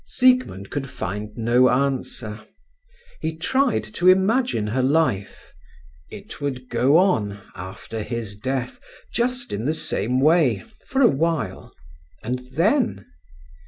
Siegmund could find no answer. He tried to imagine her life. It would go on, after his death, just in the same way, for a while, and then?